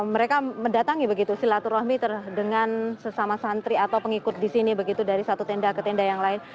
mereka mendatangi begitu silaturahmi dengan sesama santri atau pengikut di sini begitu dari satu tenda ke tenda yang lain